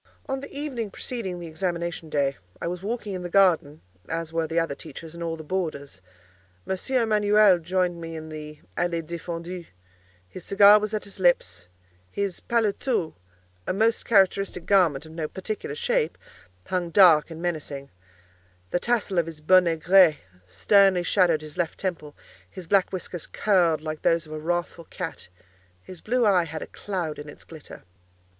On the evening preceding the examination day, I was walking in the garden, as were the other teachers and all the boarders. M. Emanuel joined me in the "allée défendue;" his cigar was at his lips; his paletôt—a most characteristic garment of no particular shape—hung dark and menacing; the tassel of his bonnet grec sternly shadowed his left temple; his black whiskers curled like those of a wrathful cat; his blue eye had a cloud in its glitter.